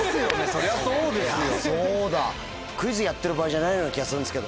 そりゃそうですよ。